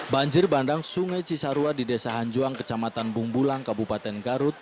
banjir bandang sungai cisarua di desa hanjuang kecamatan bungbulang kabupaten garut